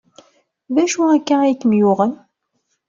D acu akka ay kem-yuɣen?